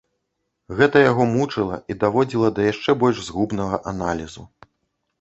Гэта яго мучыла і даводзіла да яшчэ больш згубнага аналізу.